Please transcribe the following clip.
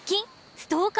ストーカー？